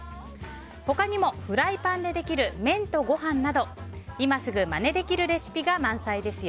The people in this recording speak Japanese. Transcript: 他にもフライパンでできる麺とご飯など今すぐまねできるレシピが満載です。